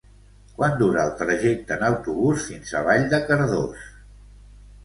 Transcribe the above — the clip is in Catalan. Quant dura el trajecte en autobús fins a Vall de Cardós?